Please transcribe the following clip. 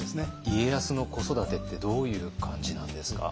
家康の子育てってどういう感じなんですか？